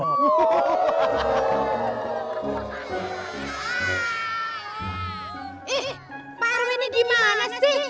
ih parwe ini gimana sih